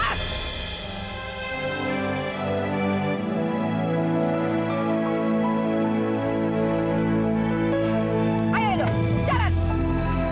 ayah edo jalan